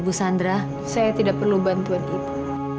ibu sandra saya tidak perlu bantuan ibu